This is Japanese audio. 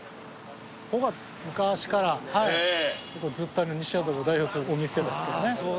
ここは昔からはいずっとある西麻布を代表するお店ですけどね